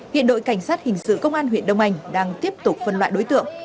hiện đội cảnh sát hình sự công an huyện đông anh đang tiếp tục phân loại đối tượng